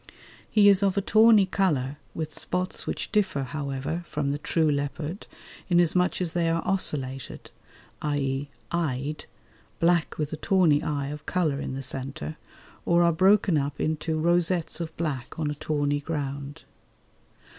He is of a tawny colour with spots which differ, however, from the true leopard inasmuch as they are ocellated, i.e. eyed, black with a tawny eye of colour in the centre, or are broken up into rosettes of black on a tawny ground.